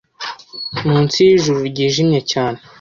munsi y'ijuru ryijimye cyane